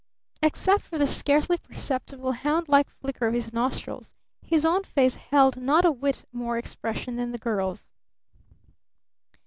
Except for the scarcely perceptible hound like flicker of his nostrils, his own face held not a whit more expression than the girl's.